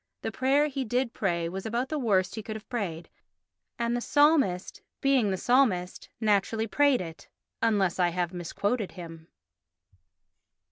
The prayer he did pray was about the worst he could have prayed and the psalmist, being the psalmist, naturally prayed it—unless I have misquoted him.